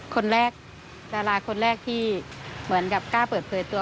คนแรกดาราคนแรกที่เหมือนกับกล้าเปิดเผยตัว